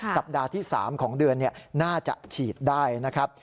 สัปดาห์ที่๓ของเดือนน่าจะฉีดได้นะครับ